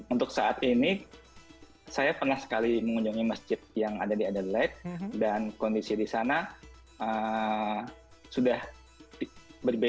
untuk saat ini saya pernah sekali mengunjungi masjid yang ada di adaleg dan kondisi di sana sudah berbeda